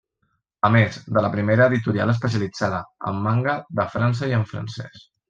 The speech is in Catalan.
A més de la primera editorial especialitzada en manga de França i en francès.